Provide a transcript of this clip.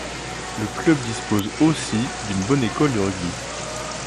Le club dispose aussi d'une bonne école de rugby.